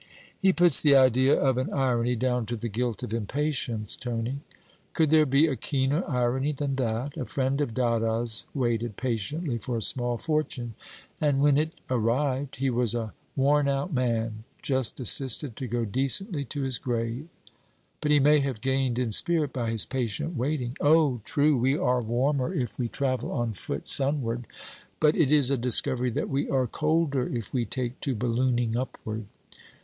'He puts the idea of an irony down to the guilt of impatience, Tony.' 'Could there be a keener irony than that? A friend of Dada's waited patiently for a small fortune, and when it arrived, he was a worn out man, just assisted to go decently to his grave.' 'But he may have gained in spirit by his patient waiting.' 'Oh! true. We are warmer if we travel on foot sunward, but it is a discovery that we are colder if we take to ballooning upward.